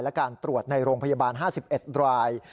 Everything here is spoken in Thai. และการตรวจในโรงพยาบาล๕๑ราย